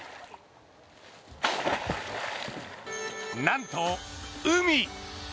なんと海。